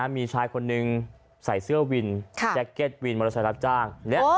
มีชายคนนึงใส่เสื้อวินแจ็คเก็ตวินมอเตอร์ไซค์รับจ้าง